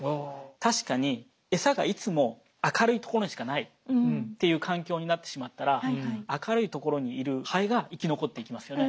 確かにエサがいつも明るい所にしかないっていう環境になってしまったら明るい所にいるハエが生き残っていきますよね。